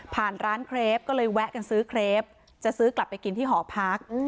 ร้านเครปก็เลยแวะกันซื้อเครปจะซื้อกลับไปกินที่หอพัก